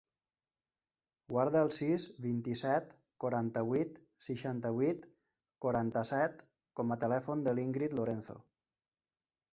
Guarda el sis, vint-i-set, quaranta-vuit, seixanta-vuit, quaranta-set com a telèfon de l'Íngrid Lorenzo.